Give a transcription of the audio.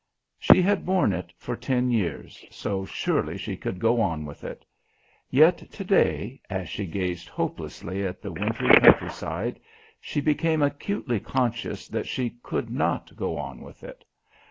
She had borne it for ten years, so surely she could go on with it. Yet today, as she gazed hopelessly at the wintry country side, she became acutely conscious that she could not go on with it.